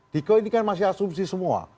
diko ini kan masih asumsi semua